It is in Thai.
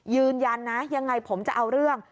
ยืนยันนะยังไงผมจะเอาเรื่อง